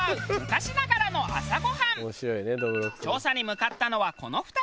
調査に向かったのはこの２人。